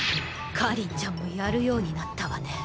夏凜ちゃんもやるようになったわね。